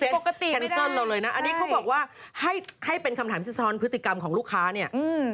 ผิดปกติไม่ได้แคนเซิลเราเลยนะอันนี้เขาบอกว่าให้เป็นคำถามสิทธิศธรรมพฤติกรรมของลูกค้าเนี่ย